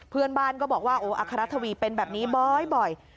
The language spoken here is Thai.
เพื่อนบ้านก็บอกว่าโอ้อัครทวีเป็นแบบนี้บ่อย